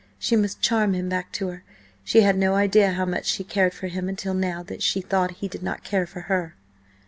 She must charm him back to her. She had no idea how much she cared for him until now that she thought he did not care for her.